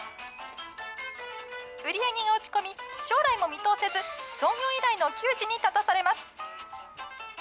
売り上げが落ち込み、将来も見通せず、創業以来の窮地に立たされます。